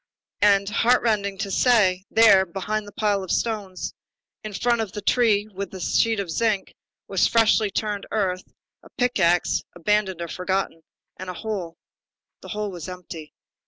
And, heartrending to say, there, behind the pile of stones, in front of the tree with the sheet of zinc, was freshly turned earth, a pick axe, abandoned or forgotten, and a hole. The hole was empty.